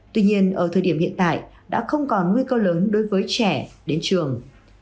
tuy nhiên ở thời điểm hiện tại đã không còn nguy cơ lớn đối với trẻ đến trường